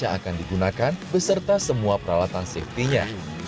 yang akan digunakan beserta semua peralatan safety nya